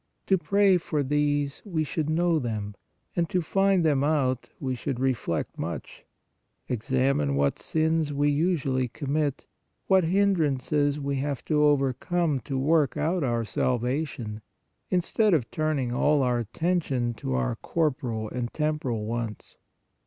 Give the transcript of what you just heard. To pray for these we should know them, and to find them out we should reflect much, examine what sins we usually commit, what hindrances we have to overcome to work out our salvation, instead of turning all our attention to our corporal and temporal wants.